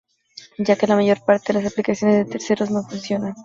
Ya que la mayor parte de las aplicaciones de terceros no funcionan.